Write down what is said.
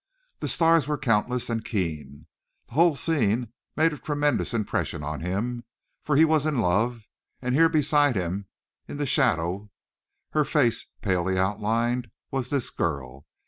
The stars were countless and keen. The whole scene made a tremendous impression on him, for he was in love, and here beside him, in the shadow, her face palely outlined, was this girl.